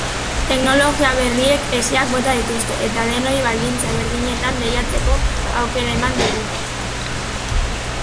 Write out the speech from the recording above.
Teknologia berriek hesiak bota dituzte eta denoi baldintza berdinetan lehiatzeko aukera eman digute.